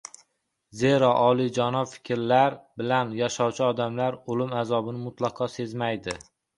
Zero olijanob fikrlar bilan yashovchi odam o‘lim azobini mutlaqo sezmaydi.